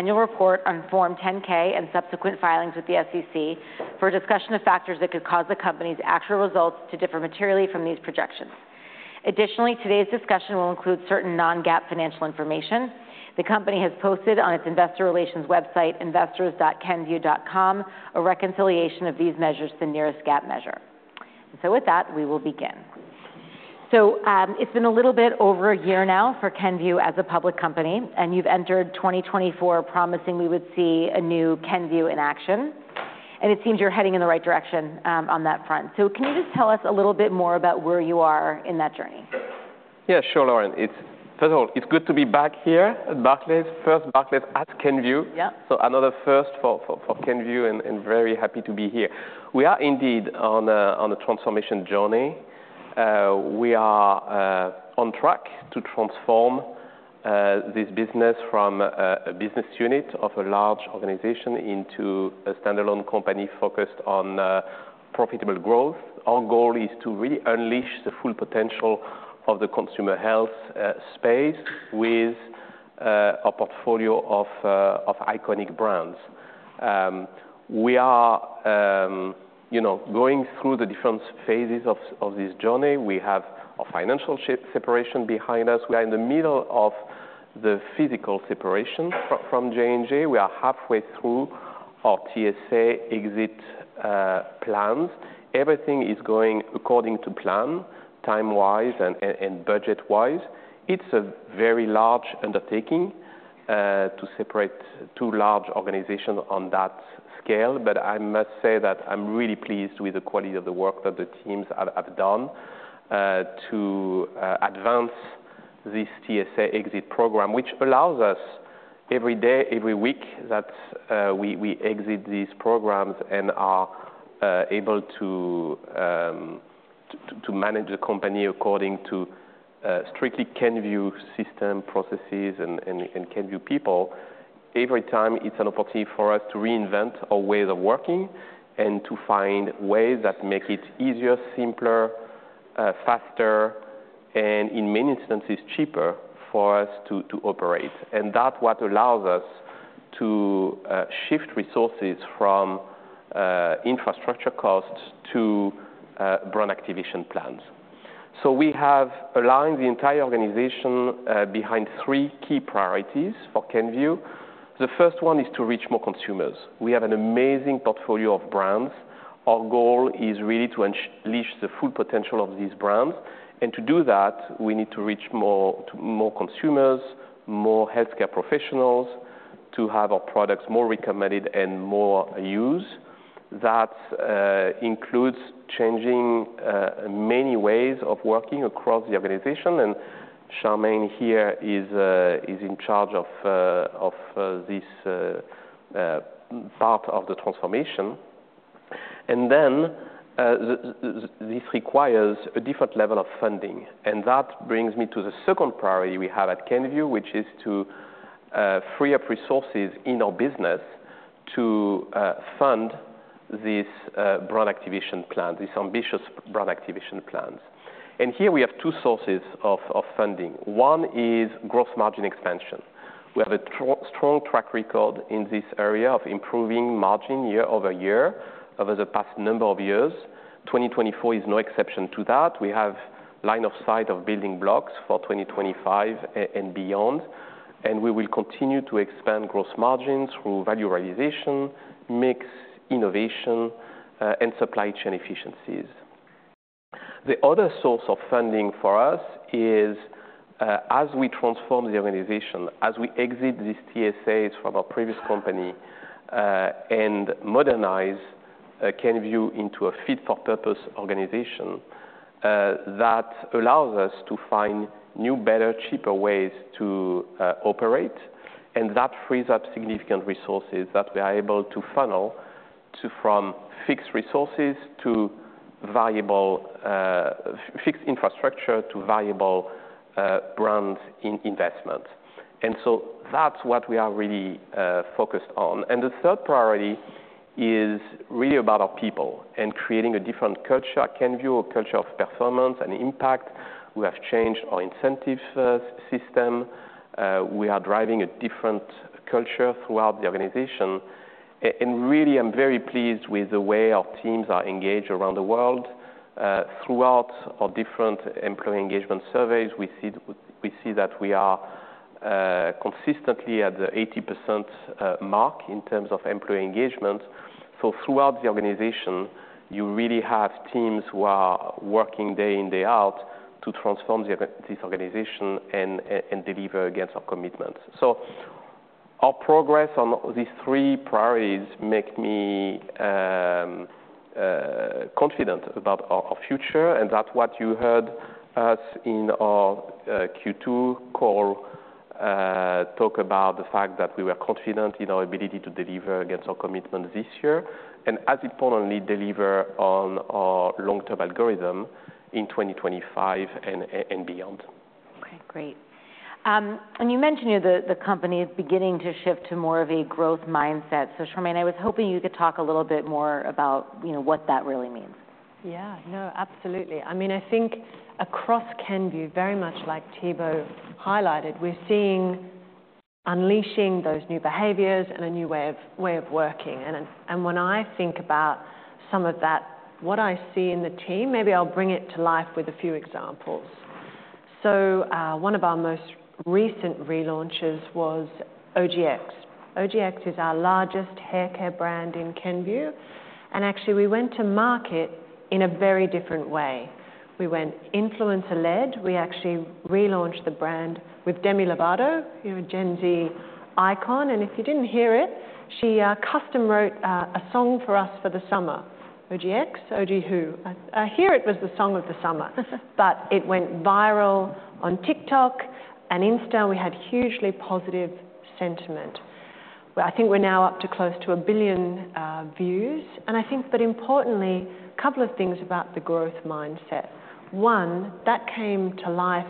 annual report on Form 10-K and subsequent filings with the SEC for a discussion of factors that could cause the company's actual results to differ materially from these projections. Additionally, today's discussion will include certain non-GAAP financial information. The company has posted on its investor relations website, investors.kenvue.com, a reconciliation of these measures to the nearest GAAP measure, and so with that, we will begin, so it's been a little bit over a year now for Kenvue as a public company, and you've entered 2024 promising we would see a new Kenvue in action, and it seems you're heading in the right direction, on that front, so can you just tell us a little bit more about where you are in that journey? Yeah, sure, Lauren. First of all, it's good to be back here at Barclays. First Barclays at Kenvue. Yep. So another first for Kenvue, and very happy to be here. We are indeed on a transformation journey. We are on track to transform this business from a business unit of a large organization into a standalone company focused on profitable growth. Our goal is to really unleash the full potential of the consumer health space with a portfolio of iconic brands. We are, you know, going through the different phases of this journey. We have a financial shape separation behind us. We are in the middle of the physical separation from J&J. We are halfway through our TSA exit plans. Everything is going according to plan, time-wise and budget-wise. It's a very large undertaking to separate two large organizations on that scale, but I must say that I'm really pleased with the quality of the work that the teams have done to advance this TSA exit program, which allows us every day, every week, we exit these programs and are able to manage the company according to strictly Kenvue system, processes, and Kenvue people. Every time, it's an opportunity for us to reinvent our ways of working and to find ways that make it easier, simpler, faster, and in many instances, cheaper for us to operate. And that's what allows us to shift resources from infrastructure costs to brand activation plans. So we have aligned the entire organization behind three key priorities for Kenvue. The first one is to reach more consumers. We have an amazing portfolio of brands. Our goal is really to unleash the full potential of these brands, and to do that, we need to reach more, to more consumers, more healthcare professionals, to have our products more recommended and more used. That includes changing many ways of working across the organization, and Charmaine here is in charge of this part of the transformation. And then this requires a different level of funding, and that brings me to the second priority we have at Kenvue, which is to free up resources in our business to fund this brand activation plan, this ambitious brand activation plans. And here we have two sources of funding. One is gross margin expansion. We have a strong track record in this area of improving margin year over year over the past number of years. 2024 is no exception to that. We have line of sight of building blocks for 2025 and beyond, and we will continue to expand gross margin through value realization, mix, innovation, and supply chain efficiencies. The other source of funding for us is, as we transform the organization, as we exit these TSAs from our previous company, and modernize Kenvue into a fit-for-purpose organization, that allows us to find new, better, cheaper ways to operate, and that frees up significant resources that we are able to funnel to from fixed resources to valuable, fixed infrastructure to valuable, brand in investment. So that's what we are really focused on. And the third priority is really about our people and creating a different culture at Kenvue, a culture of performance and impact. We have changed our incentive system. We are driving a different culture throughout the organization, and really, I'm very pleased with the way our teams are engaged around the world. Throughout our different employee engagement surveys, we see that we are consistently at the 80% mark in terms of employee engagement. So throughout the organization, you really have teams who are working day in, day out to transform this organization and deliver against our commitments. So our progress on these three priorities make me confident about our future, and that what you heard us in our Q2 call talk about the fact that we were confident in our ability to deliver against our commitment this year, and as importantly, deliver on our long-term algorithm in 2025 and beyond. Okay, great. And you mentioned here the company is beginning to shift to more of a growth mindset, so Charmaine, I was hoping you could talk a little bit more about, you know, what that really means. Yeah. No, absolutely. I mean, I think across Kenvue, very much like Thibaut Mongon highlighted, we're seeing unleashing those new behaviors and a new way of working. And when I think about some of that, what I see in the team, maybe I'll bring it to life with a few examples. So, one of our most recent relaunches was OGX. OGX is our largest haircare brand in Kenvue, and actually, we went to market in a very different way. We went influencer-led. We actually relaunched the brand with Demi Lovato, your Gen Z icon, and if you didn't hear it, she custom wrote a song for us for the summer, OGX, OG Who? I hear it was the song of the summer. But it went viral on TikTok and Insta, we had hugely positive sentiment. Well, I think we're now up to close to a billion views, and I think but importantly, a couple of things about the growth mindset. One, that came to life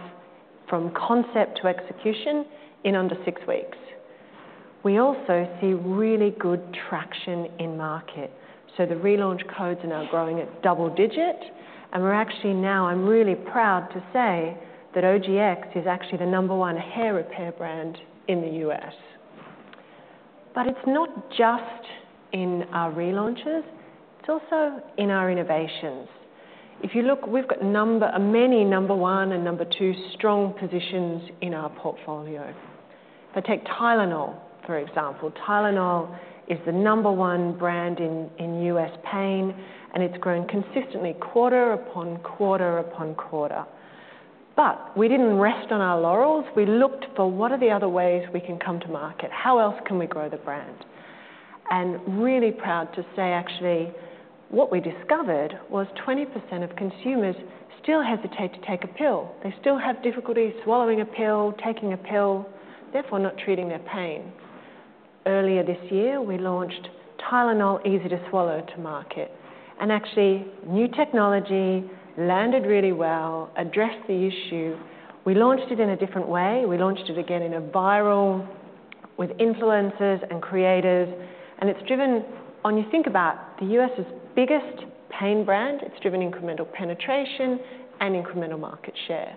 from concept to execution in under six weeks. We also see really good traction in market, so the relaunches are now growing at double digit, and we're actually now, I'm really proud to say, that OGX is actually the number one hair repair brand in the U.S. But it's not just in our relaunches, it's also in our innovations. If you look, we've got many number one and number two strong positions in our portfolio. So take Tylenol, for example. Tylenol is the number one brand in U.S. pain, and it's grown consistently quarter upon quarter upon quarter. But we didn't rest on our laurels. We looked for what are the other ways we can come to market? How else can we grow the brand? Really proud to say, actually, what we discovered was 20% of consumers still hesitate to take a pill. They still have difficulty swallowing a pill, taking a pill, therefore, not treating their pain. Earlier this year, we launched Tylenol Easy to Swallow to market, and actually, new technology landed really well, addressed the issue. We launched it in a different way. We launched it again in a viral with influencers and creators, and it's driven... When you think about the U.S.'s biggest pain brand, it's driven incremental penetration and incremental market share.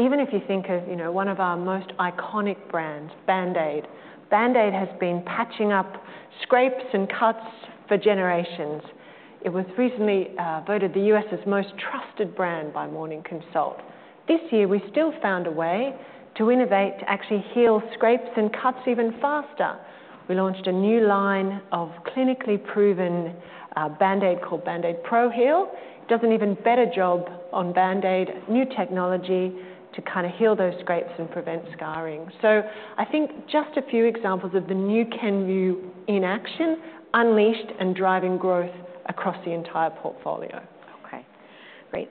Even if you think of, you know, one of our most iconic brands, Band-Aid. Band-Aid has been patching up scrapes and cuts for generations. It was recently voted the U.S.'s most trusted brand by Morning Consult. This year, we still found a way to innovate, to actually heal scrapes and cuts even faster. We launched a new line of clinically proven Band-Aid, called BAND-AID PRO-HEAL. It does an even better job on Band-Aid, new technology to kinda heal those scrapes and prevent scarring. So I think just a few examples of the new Kenvue in action, unleashed and driving growth across the entire portfolio. Okay, great.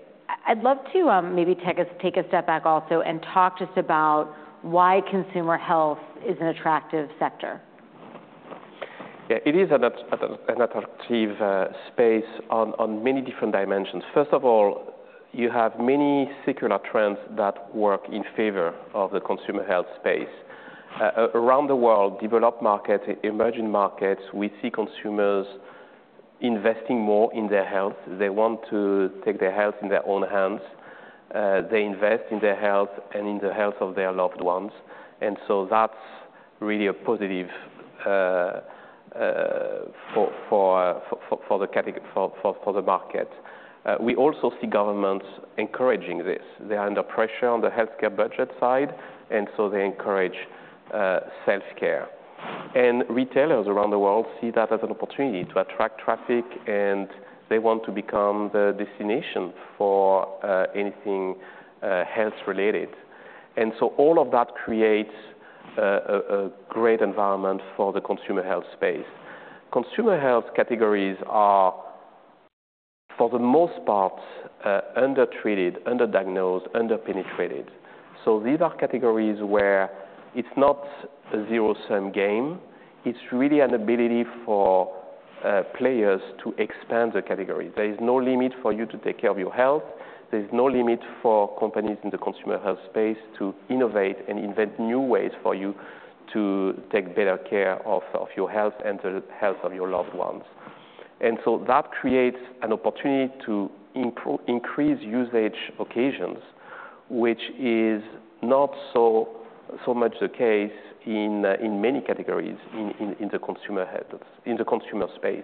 I'd love to maybe take a step back also and talk just about why consumer health is an attractive sector. Yeah, it is an attractive space on many different dimensions. First of all, you have many secular trends that work in favor of the consumer health space. Around the world, developed markets, emerging markets, we see consumers investing more in their health. They want to take their health in their own hands. They invest in their health and in the health of their loved ones, and so that's really a positive for the market. We also see governments encouraging this. They are under pressure on the healthcare budget side, and so they encourage self-care. Retailers around the world see that as an opportunity to attract traffic, and they want to become the destination for anything health-related. And so all of that creates a great environment for the consumer health space. Consumer health categories are, for the most part, undertreated, underdiagnosed, underpenetrated. So these are categories where it's not a zero-sum game, it's really an ability for players to expand the category. There is no limit for you to take care of your health. There's no limit for companies in the consumer health space to innovate and invent new ways for you to take better care of your health and the health of your loved ones. And so that creates an opportunity to increase usage occasions, which is not so much the case in the consumer space.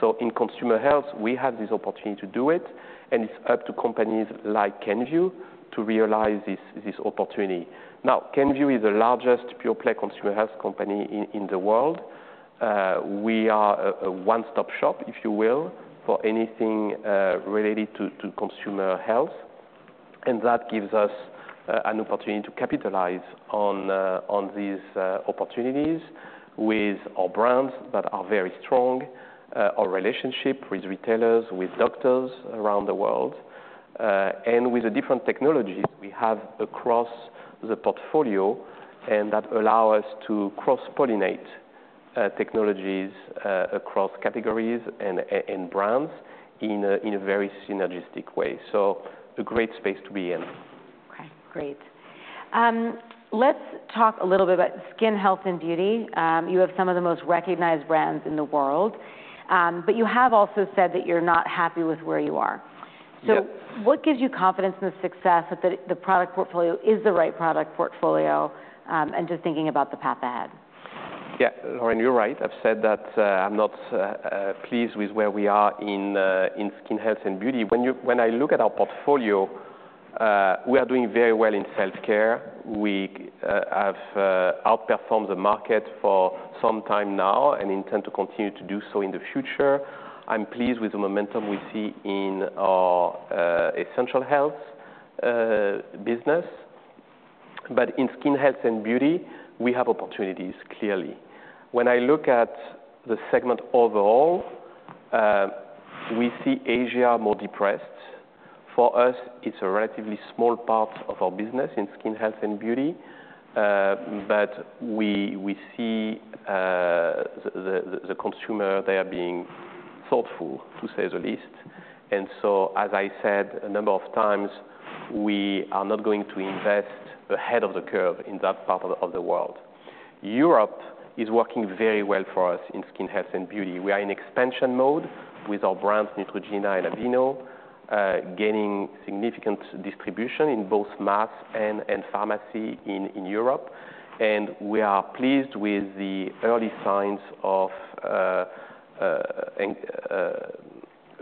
So in consumer health, we have this opportunity to do it, and it's up to companies like Kenvue to realize this opportunity. Now, Kenvue is the largest pure-play consumer health company in the world. We are a one-stop shop, if you will, for anything related to consumer health, and that gives us an opportunity to capitalize on these opportunities with our brands that are very strong, our relationship with retailers, with doctors around the world, and with the different technologies we have across the portfolio, and that allow us to cross-pollinate technologies across categories and brands in a very synergistic way. So a great space to be in. Great. Let's talk a little bit about skin health and beauty. You have some of the most recognized brands in the world, but you have also said that you're not happy with where you are. Yep. So what gives you confidence in the success that the product portfolio is the right product portfolio, and just thinking about the path ahead? Yeah, Lauren, you're right. I've said that I'm not pleased with where we are in skin health and beauty. When I look at our portfolio, we are doing very well in self-care. We have outperformed the market for some time now and intend to continue to do so in the future. I'm pleased with the momentum we see in our essential health business, but in skin health and beauty, we have opportunities, clearly. When I look at the segment overall, we see Asia more depressed. For us, it's a relatively small part of our business in skin health and beauty, but we see the consumer, they are being thoughtful, to say the least. As I said a number of times, we are not going to invest ahead of the curve in that part of the world. Europe is working very well for us in skin health and beauty. We are in expansion mode with our brands, Neutrogena and Aveeno, gaining significant distribution in both mass and pharmacy in Europe, and we are pleased with the early signs of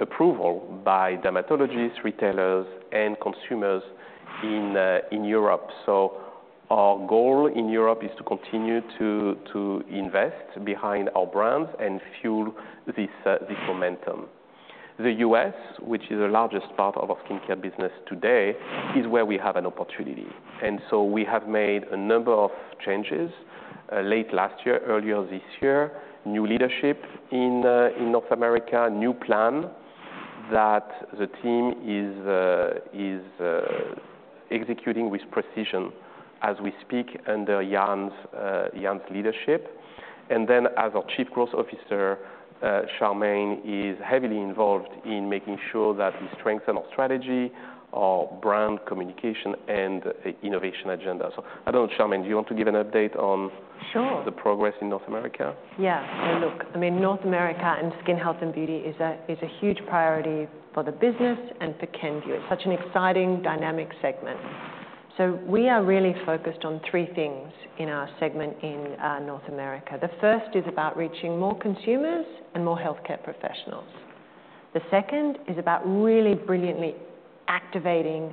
approval by dermatologists, retailers, and consumers in Europe. Our goal in Europe is to continue to invest behind our brands and fuel this momentum. The U.S., which is the largest part of our skincare business today, is where we have an opportunity. And so we have made a number of changes, late last year, earlier this year, new leadership in North America, new plan that the team is executing with precision as we speak under Jan's leadership. And then, as our Chief Growth Officer, Charmaine is heavily involved in making sure that we strengthen our strategy, our brand communication, and innovation agenda. So I don't know, Charmaine, do you want to give an update on- Sure. The progress in North America? Yeah, so look, I mean, North America and skin health and beauty is a huge priority for the business and for Kenvue. It's such an exciting, dynamic segment, so we are really focused on three things in our segment in North America. The first is about reaching more consumers and more healthcare professionals. The second is about really brilliantly activating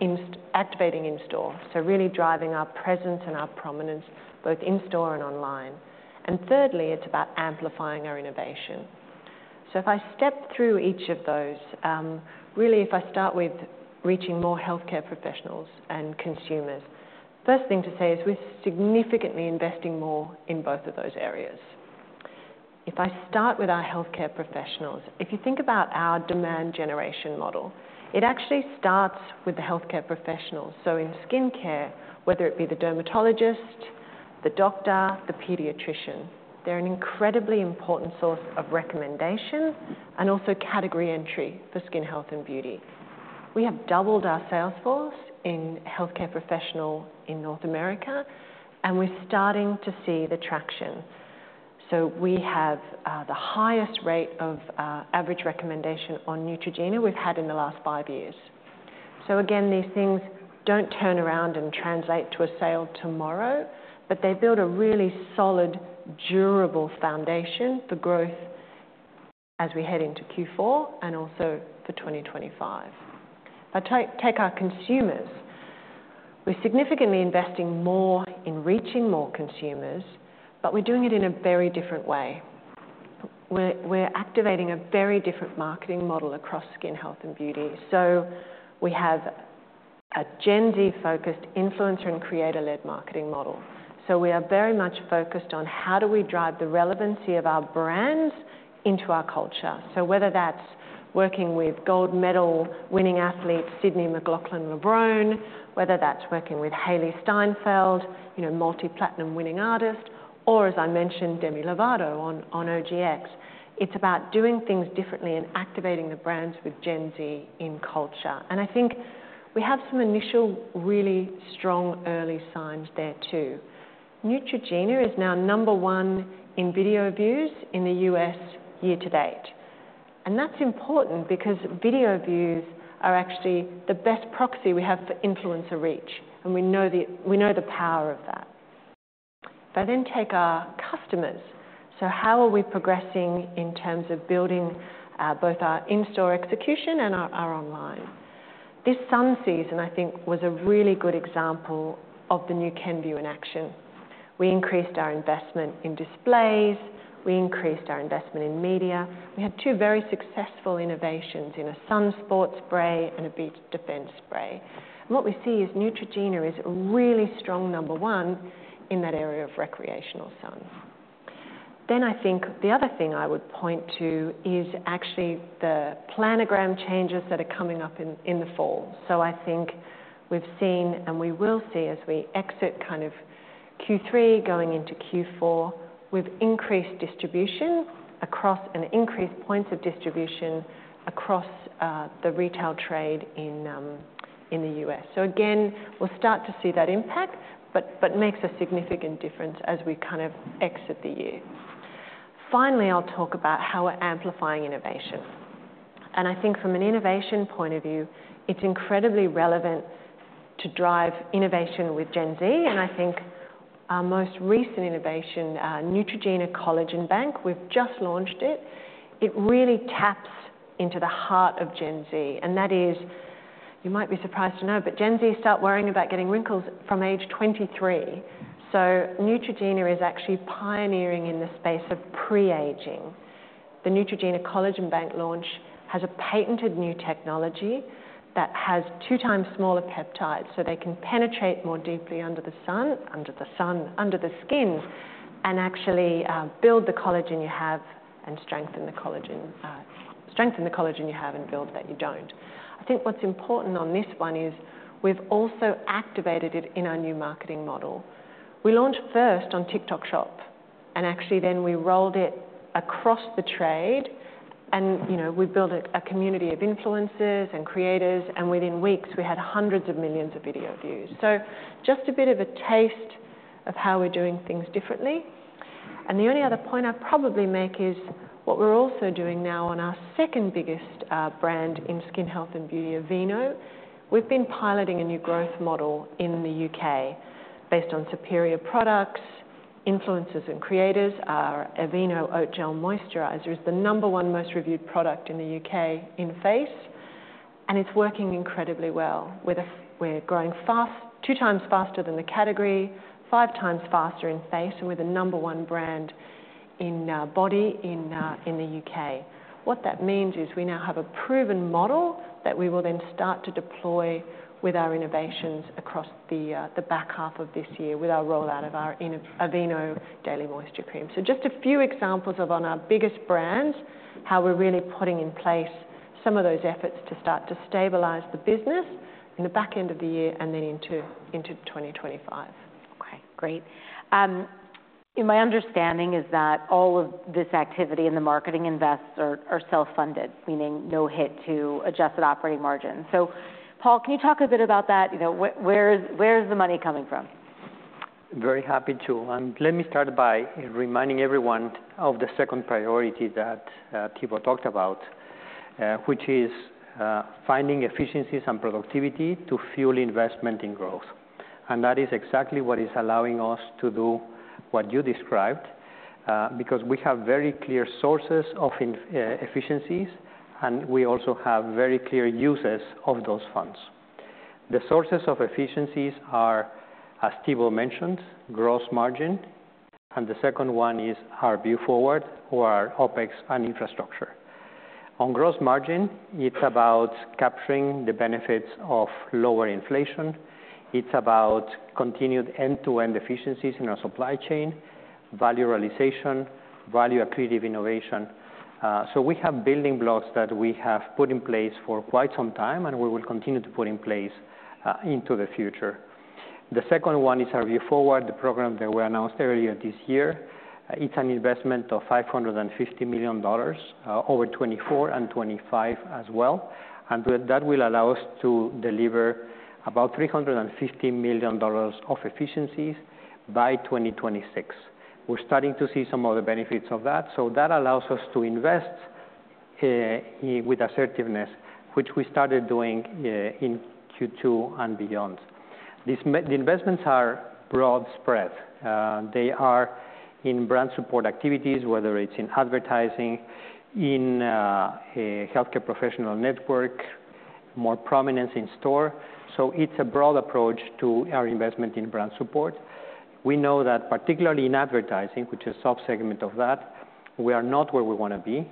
in-store, so really driving our presence and our prominence both in-store and online, and thirdly, it's about amplifying our innovation, so if I step through each of those, really, if I start with reaching more healthcare professionals and consumers, first thing to say is we're significantly investing more in both of those areas. If I start with our healthcare professionals, if you think about our demand generation model, it actually starts with the healthcare professionals. So in skincare, whether it be the dermatologist, the doctor, the pediatrician, they're an incredibly important source of recommendation and also category entry for skin health and beauty. We have doubled our sales force in healthcare professionals in North America, and we're starting to see the traction. So we have the highest rate of average recommendation on Neutrogena we've had in the last five years. So again, these things don't turn around and translate to a sale tomorrow, but they build a really solid, durable foundation for growth as we head into Q4 and also for 2025. If I take our consumers, we're significantly investing more in reaching more consumers, but we're doing it in a very different way. We're activating a very different marketing model across skin health and beauty. So we have a Gen Z-focused influencer and creator-led marketing model. We are very much focused on how do we drive the relevancy of our brands into our culture. Whether that's working with gold medal-winning athlete Sydney McLaughlin-Levrone, whether that's working with Hailee Steinfeld, you know, multi-platinum winning artist, or as I mentioned, Demi Lovato on OGX, it's about doing things differently and activating the brands with Gen Z in culture. I think we have some initial, really strong early signs there, too. Neutrogena is now number one in video views in the U.S. year to date. That's important because video views are actually the best proxy we have for influencer reach, and we know the power of that. If I then take our customers, so how are we progressing in terms of building both our in-store execution and our online? This sun season, I think, was a really good example of the new Kenvue in action. We increased our investment in displays, we increased our investment in media. We had two very successful innovations in a Sun Sport spray and a Beach Defense spray. What we see is Neutrogena is a really strong number one in that area of recreational sun. Then I think the other thing I would point to is actually the planogram changes that are coming up in the fall. So I think we've seen, and we will see as we exit Q3 going into Q4, with increased distribution across, and increased points of distribution across the retail trade in the U.S. So again, we'll start to see that impact, but makes a significant difference as we kind of exit the year. Finally, I'll talk about how we're amplifying innovation. And I think from an innovation point of view, it's incredibly relevant to drive innovation with Gen Z. And I think our most recent innovation, Neutrogena Collagen Bank, we've just launched it. It really taps into the heart of Gen Z, and that is, you might be surprised to know, but Gen Z start worrying about getting wrinkles from age 23. So Neutrogena is actually pioneering in the space of pre-aging. The Neutrogena Collagen Bank launch has a patented new technology that has 2x smaller peptides, so they can penetrate more deeply under the skin, and actually build the collagen you have and strengthen the collagen you have and build that you don't. I think what's important on this one is we've also activated it in our new marketing model. We launched first on TikTok Shop, and actually then we rolled it across the trade, and, you know, we built a community of influencers and creators, and within weeks, we had hundreds of millions of video views, so just a bit of a taste of how we're doing things differently, and the only other point I'd probably make is what we're also doing now on our second biggest brand in skin health and beauty, Aveeno. We've been piloting a new growth model in the U.K. based on superior products, influencers, and creators. Our Aveeno Oat Gel Moisturizer is the number one most reviewed product in the U.K. in face, and it's working incredibly well. We're growing fast, two times faster than the category, 5x faster in face, and we're the number one brand in body in the U.K. What that means is we now have a proven model that we will then start to deploy with our innovations across the back half of this year, with our rollout of our Aveeno Daily Moisture Cream. So just a few examples of our biggest brands, how we're really putting in place some of those efforts to start to stabilize the business in the back end of the year and then into 2025. Okay, great. And my understanding is that all of this activity in the marketing investments are self-funded, meaning no hit to adjusted operating margin. So, Paul, can you talk a bit about that? You know, where is the money coming from? Very happy to, and let me start by reminding everyone of the second priority that Thibaut talked about, which is finding efficiencies and productivity to fuel investment in growth. And that is exactly what is allowing us to do what you described, because we have very clear sources of inefficiencies, and we also have very clear uses of those funds. The sources of efficiencies are, as Thibaut mentioned, gross margin, and the second one is our Vue Forward or our OpEx and infrastructure. On gross margin, it's about capturing the benefits of lower inflation. It's about continued end-to-end efficiencies in our supply chain, value realization, value accretive innovation. So we have building blocks that we have put in place for quite some time, and we will continue to put in place into the future. The second one is our Vue Forward, the program that we announced earlier this year. It's an investment of $550 million over 2024 and 2025 as well. And that will allow us to deliver about $350 million of efficiencies by 2026. We're starting to see some of the benefits of that, so that allows us to invest with assertiveness, which we started doing in Q2 and beyond. The investments are broadly spread. They are in brand support activities, whether it's in advertising, in a healthcare professional network, more prominence in store. So it's a broad approach to our investment in brand support. We know that particularly in advertising, which is sub-segment of that, we are not where we want to be.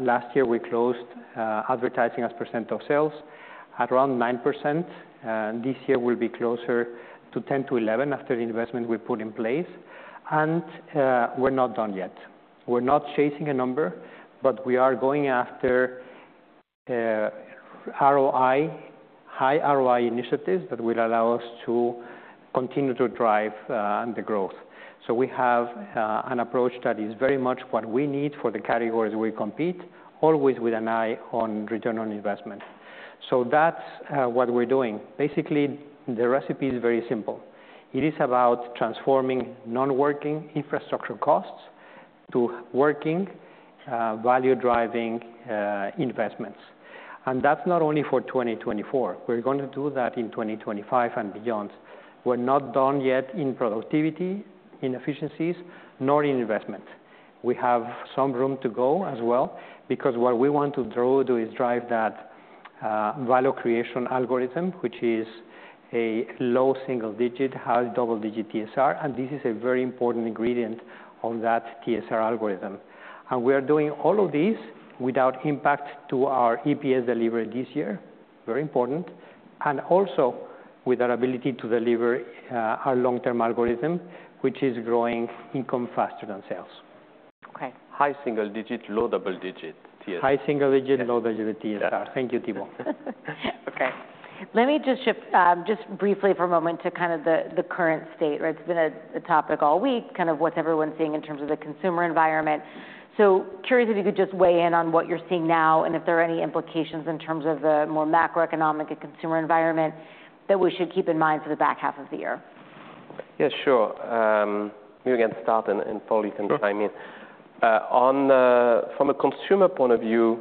Last year, we closed advertising as percent of sales at around 9%, and this year will be closer to 10%-11% after the investment we put in place, and we're not done yet. We're not chasing a number, but we are going after ROI, high ROI initiatives that will allow us to continue to drive the growth. So we have an approach that is very much what we need for the categories we compete, always with an eye on return on investment. So that's what we're doing. Basically, the recipe is very simple. It is about transforming non-working infrastructure costs to working value-driving investments. And that's not only for 2024, we're going to do that in 2025 and beyond. We're not done yet in productivity, in efficiencies, nor in investment. We have some room to go as well, because what we want to do is drive that value creation algorithm, which is a low single-digit, high double-digit TSR, and this is a very important ingredient on that TSR algorithm. We are doing all of this without impact to our EPS delivery this year, very important, and also with our ability to deliver our long-term algorithm, which is growing income faster than sales. Okay. High single-digit, low double-digit TSR. High single digit, low double digit TSR. Yeah. Thank you, Thibaut. Okay, let me just shift just briefly for a moment to kind of the current state, right? It's been a topic all week, kind of what's everyone seeing in terms of the consumer environment, so curious if you could just weigh in on what you're seeing now, and if there are any implications in terms of the more macroeconomic and consumer environment that we should keep in mind for the back half of the year. Yeah, sure. You can start, and Paul can chime in. Mm-hmm. From a consumer point of view,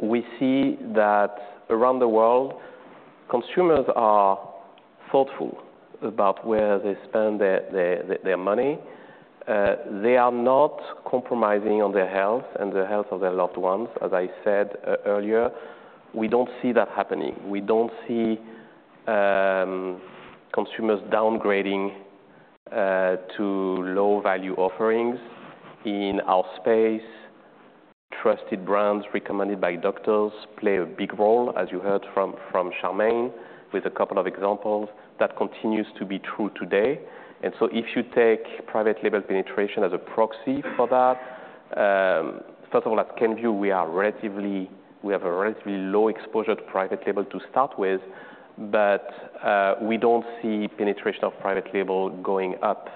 we see that around the world, consumers are thoughtful about where they spend their money. They are not compromising on their health and the health of their loved ones, as I said earlier. We don't see that happening. We don't see consumers downgrading to low-value offerings. In our space, trusted brands recommended by doctors play a big role, as you heard from Charmaine, with a couple of examples. That continues to be true today. And so if you take private label penetration as a proxy for that, first of all, at Kenvue, we have a relatively low exposure to private label to start with, but we don't see penetration of private label going up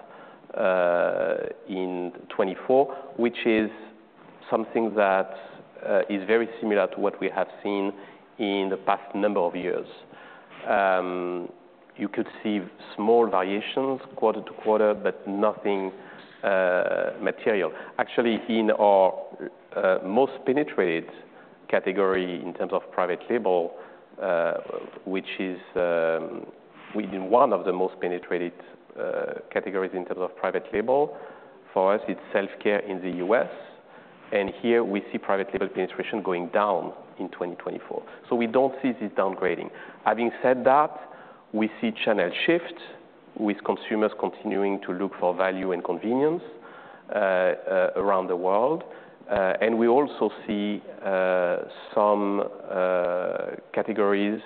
in 2024, which is something that is very similar to what we have seen in the past number of years. You could see small variations quarter to quarter, but nothing material. Actually, in our most penetrated category in terms of private label, which is within one of the most penetrated categories in terms of private label, for us, it's self-care in the U.S., and here we see private label penetration going down in 2024. So we don't see this downgrading. Having said that, we see channel shift, with consumers continuing to look for value and convenience around the world. And we also see some categories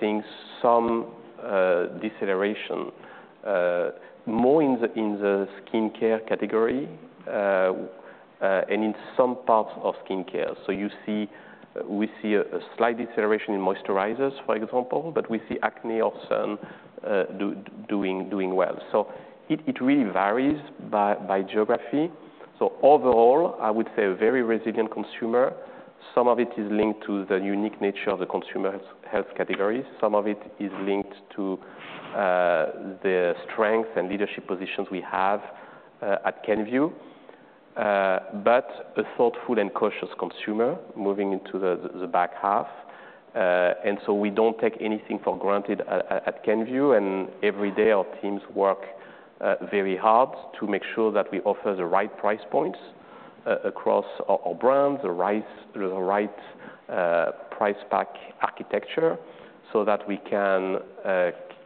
seeing some deceleration more in the skincare category and in some parts of skincare. So you see we see a slight deceleration in moisturizers, for example, but we see acne or sun doing well. So it really varies by geography. So overall, I would say a very resilient consumer. Some of it is linked to the unique nature of the consumer health category. Some of it is linked to the strength and leadership positions we have at Kenvue. But a thoughtful and cautious consumer moving into the back half. And so we don't take anything for granted at Kenvue, and every day, our teams work very hard to make sure that we offer the right price points across our brands, the right price pack architecture, so that we can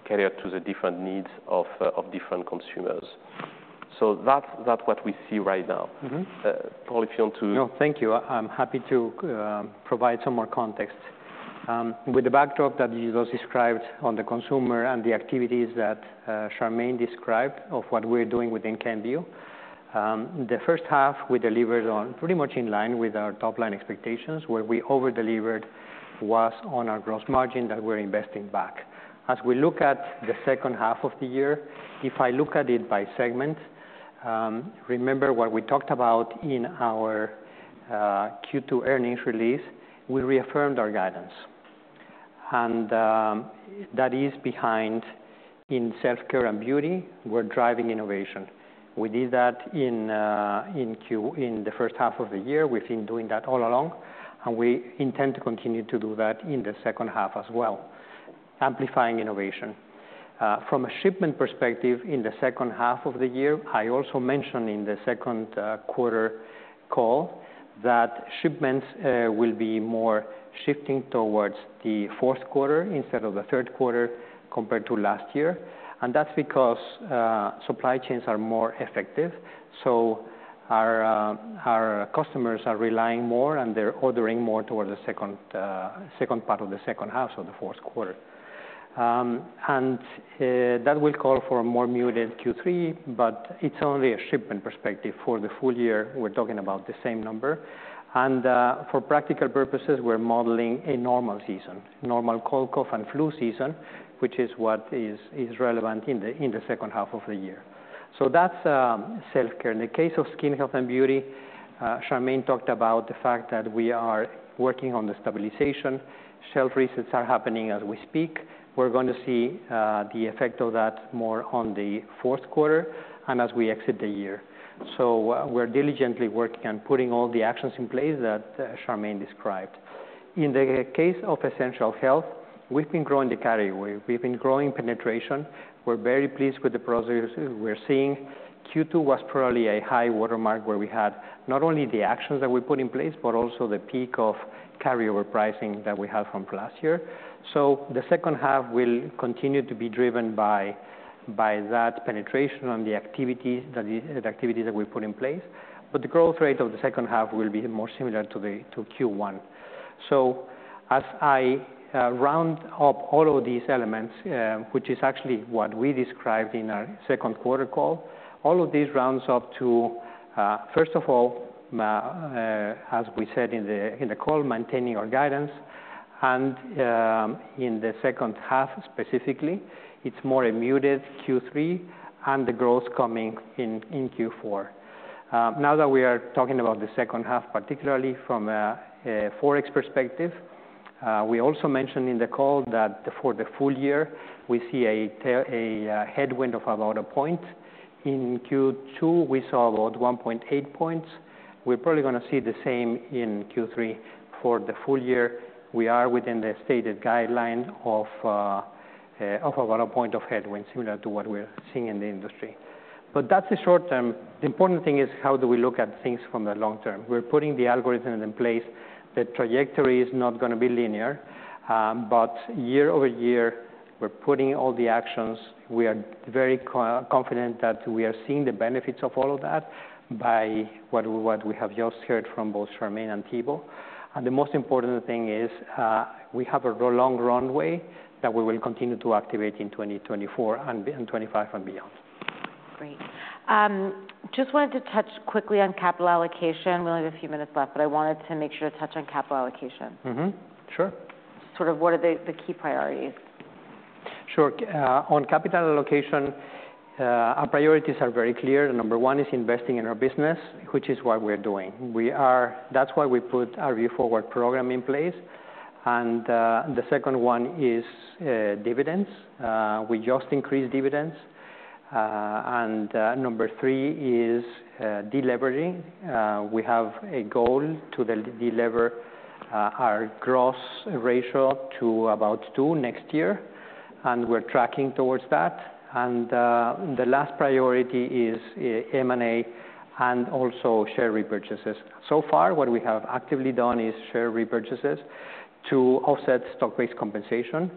cater to the different needs of different consumers. So that's what we see right now. Mm-hmm. Paul, if you want to- No, thank you. I'm happy to provide some more context. With the backdrop that you just described on the consumer and the activities that Charmaine described of what we're doing within Kenvue, the first half, we delivered on pretty much in line with our top line expectations, where we over-delivered was on our gross margin that we're investing back. As we look at the second half of the year, if I look at it by segment, remember what we talked about in our Q2 earnings release, we reaffirmed our guidance. That is behind in self-care and beauty, we're driving innovation. We did that in the first half of the year. We've been doing that all along, and we intend to continue to do that in the second half as well, amplifying innovation. From a shipment perspective, in the second half of the year, I also mentioned in the second quarter call that shipments will be more shifting towards the fourth quarter instead of the third quarter, compared to last year. And that's because supply chains are more effective, so our customers are relying more, and they're ordering more toward the second part of the second half of the fourth quarter. And that will call for a more muted Q3, but it's only a shipment perspective. For the full year, we're talking about the same number. And for practical purposes, we're modeling a normal season, normal cold, cough, and flu season, which is what is relevant in the second half of the year. So that's self-care. In the case of skin health and beauty, Charmaine talked about the fact that we are working on the stabilization. Shelf resets are happening as we speak. We're going to see the effect of that more on the fourth quarter, and as we exit the year. So we're diligently working on putting all the actions in place that Charmaine described. In the case of essential health, we've been growing the category. We've been growing penetration. We're very pleased with the progress we're seeing. Q2 was probably a high watermark, where we had not only the actions that we put in place, but also the peak of carryover pricing that we had from last year. So the second half will continue to be driven by that penetration on the activities that we put in place. But the growth rate of the second half will be more similar to Q1. So as I round up all of these elements, which is actually what we described in our second quarter call, all of these rounds up to first of all, as we said in the call, maintaining our guidance. And in the second half, specifically, it's more a muted Q3, and the growth coming in Q4. Now that we are talking about the second half, particularly from a Forex perspective, we also mentioned in the call that for the full year, we see a headwind of about a point. In Q2, we saw about 1.8 points. We're probably gonna see the same in Q3. For the full year, we are within the stated guideline of about a point of headwind, similar to what we're seeing in the industry, but that's the short term. The important thing is, how do we look at things from the long term? We're putting the algorithm in place. The trajectory is not gonna be linear, but year over year, we're putting all the actions. We are very confident that we are seeing the benefits of all of that by what we have just heard from both Charmaine and Thibaut, and the most important thing is, we have a long runway that we will continue to activate in 2024 and 2025 and beyond. Great. Just wanted to touch quickly on capital allocation. We only have a few minutes left, but I wanted to make sure to touch on capital allocation. Mm-hmm. Sure. Sort of, what are the key priorities? Sure. On capital allocation, our priorities are very clear, and number one is investing in our business, which is what we're doing. That's why we put our Vue Forward program in place. The second one is dividends. We just increased dividends. Number three is deleveraging. We have a goal to delever our gross ratio to about two next year, and we're tracking towards that. The last priority is M&A and also share repurchases. So far, what we have actively done is share repurchases to offset stock-based compensation,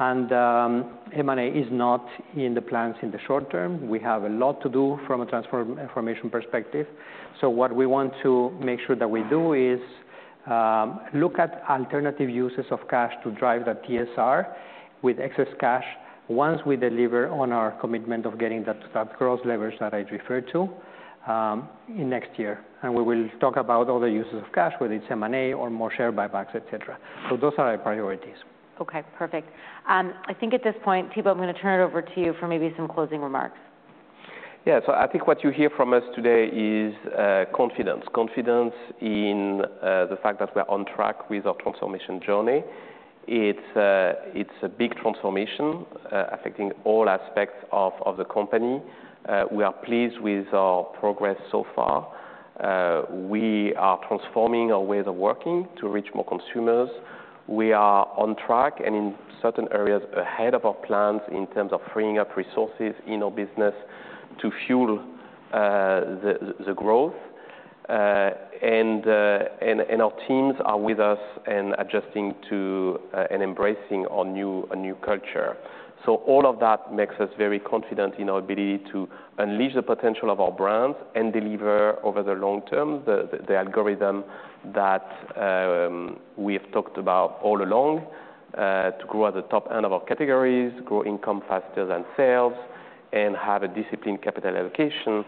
and M&A is not in the plans in the short term. We have a lot to do from a transformation perspective. What we want to make sure that we do is look at alternative uses of cash to drive the TSR with excess cash, once we deliver on our commitment of getting that gross leverage that I referred to in next year. And we will talk about other uses of cash, whether it's M&A or more share buybacks, et cetera. Those are our priorities. Okay, perfect. I think at this point, Thibaut, I'm gonna turn it over to you for maybe some closing remarks. Yeah. So I think what you hear from us today is confidence. Confidence in the fact that we're on track with our transformation journey. It's a big transformation affecting all aspects of the company. We are pleased with our progress so far. We are transforming our ways of working to reach more consumers. We are on track and in certain areas, ahead of our plans in terms of freeing up resources in our business to fuel the growth. And our teams are with us and adjusting to and embracing our new culture. So all of that makes us very confident in our ability to unleash the potential of our brands and deliver over the long term, the algorithm that we have talked about all along, to grow at the top end of our categories, grow income faster than sales, and have a disciplined capital allocation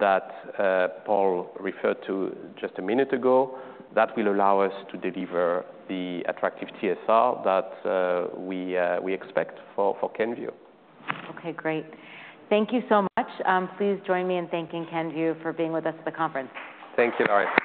that Paul referred to just a minute ago, that will allow us to deliver the attractive TSR that we expect for Kenvue. Okay, great. Thank you so much. Please join me in thanking Kenvue for being with us at the conference. Thank you, Lauren.